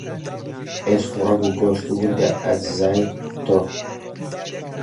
ئێسک و ڕەگ و گۆشت، وردە ئەجزای تۆ